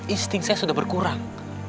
insting saya sudah berkurang